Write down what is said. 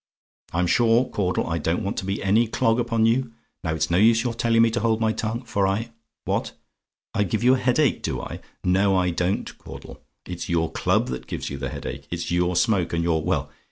I'm sure, Caudle, I don't want to be any clog upon you. Now, it's no use your telling me to hold my tongue, for I What? "I GIVE YOU THE HEADACHE, DO I? "No, I don't, Caudle; it's your club that gives you the headache; it's your smoke, and your well!